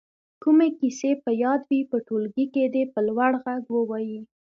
کومې کیسې په یاد وي په ټولګي کې دې په لوړ غږ ووايي.